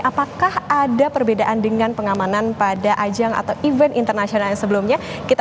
apakah ada perbedaan dengan pengamanan pada ajang atau event internasional yang sebelumnya